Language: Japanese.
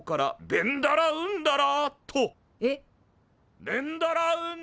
ベンダラウンダラ。